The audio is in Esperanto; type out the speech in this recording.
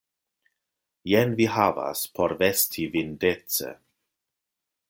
Jen vi havas por vesti vin dece.